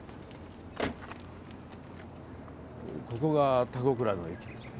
ここが田子倉の駅ですね。